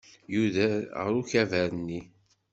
Yudef ɣer ukabar-nni.